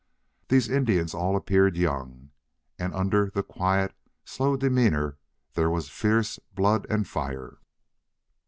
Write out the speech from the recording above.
These Indians all appeared young, and under the quiet, slow demeanor there was fierce blood and fire.